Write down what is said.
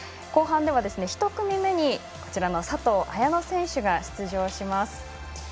後半では１組目に佐藤綾乃選手が出場します。